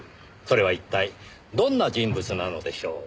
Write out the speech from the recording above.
それは一体どんな人物なのでしょう？